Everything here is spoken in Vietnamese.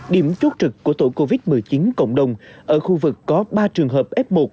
điểm chốt trực của tổ covid một mươi chín cộng đồng ở khu vực có ba trường hợp f một